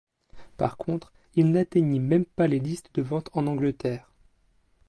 Par contre, il n'atteignit même pas les listes de vente en Angleterre.